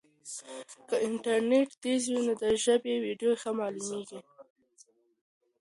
که انټرنیټ تېز وي نو د ژبې ویډیو ښه معلومېږي.